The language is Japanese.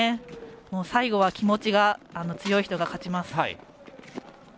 最後は気持ちが強い人が勝ちます。